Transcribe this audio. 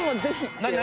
何？